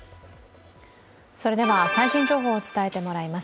それでは最新情報を伝えてもらいます。